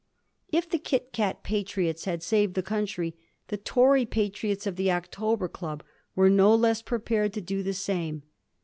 If the Eit Kat patriots had saved the country, the Tory patriots of the October Club were no less prepared to do the same.